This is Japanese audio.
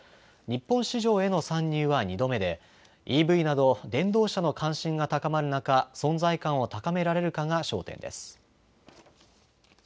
日本市場への参入は２度目でＥＶなど電動車の関心が高まる中、存在感を高められるかが焦点です。